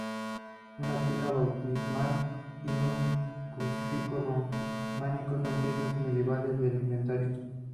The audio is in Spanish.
Una pila bautismal y un crucifijo románico son piezas medievales del inventario.